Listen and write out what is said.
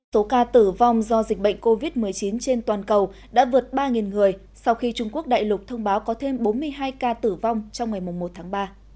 số ca tử vong do dịch bệnh covid một mươi chín trên toàn cầu đã vượt ba người sau khi trung quốc đại lục thông báo có thêm bốn mươi hai ca tử vong trong ngày một tháng ba